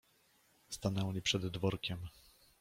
Stanęli przed dworkiem.